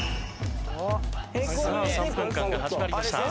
さあ３分間が始まりました。